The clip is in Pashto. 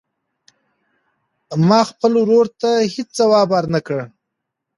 ما خپل ورور ته هېڅ ځواب ورنه کړ.